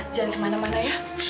jangan kemana mana ya